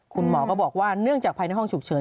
คุณหมอก็บอกว่าเนื่องจากภายในห้องฉุกเฉิน